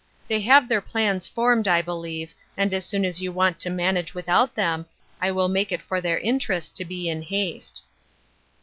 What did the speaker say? They have their plans formed, 1 believe, and as soon as jou want to manage without them, I will make it for their interest to be in haste."